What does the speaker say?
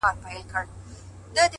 • د اجل د ساقي ږغ ژوندون ته دام وو ,